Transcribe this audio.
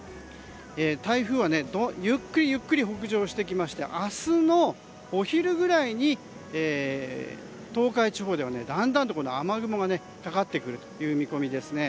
台風はゆっくり北上してきまして明日のお昼ぐらいに東海地方では、だんだんと雨雲がかかってくる見込みです。